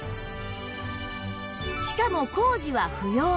しかも工事は不要